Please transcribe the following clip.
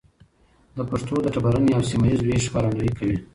د پښتو د ټبرني او سيمه ييز ويش ښکارندويي کوي.